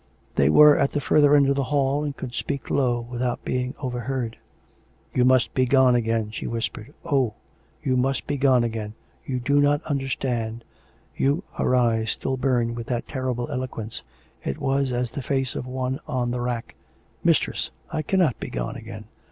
They were at the further end of the hall, and could speak low without being over heard. " You must begone again," she whispered. " Oh ! you must begone again. You do not understand; you " Her eyes still burned with that terrible eloquence; it was as the face of one on the rack. COME RACK! COME ROPE! 423 " Mistress, I cannot begone again.